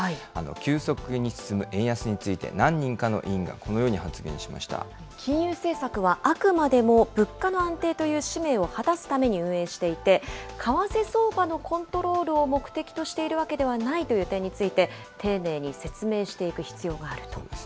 急速に進む円安について、何人か金融政策は、あくまでも物価の安定という使命を果たすために運営していて、為替相場のコントロールを目的としているわけではないという点について、丁寧に説明していく必要があると。